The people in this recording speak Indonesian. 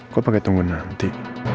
kok pakai tunggu nanti